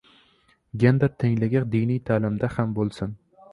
"Gender tengligi diniy ta’limda ham bo‘lsin!"